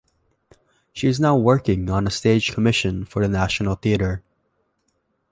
She is now working on a stage commission for the 'National Theatre'.